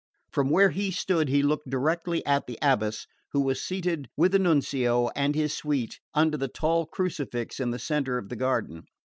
From where he stood he looked directly at the abbess, who was seated with the Nuncio and his suite under the tall crucifix in the centre of the garden.